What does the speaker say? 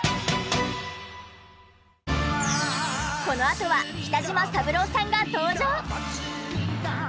この後は北島三郎さんが登場。